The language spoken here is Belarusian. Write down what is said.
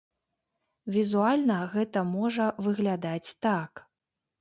Візуальна гэта можа выглядаць так.